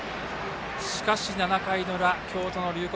しかし７回の裏京都の龍谷